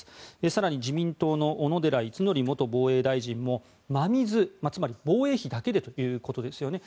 更に自民党の小野寺五典元防衛大臣も真水、つまり防衛費だけでということですよね。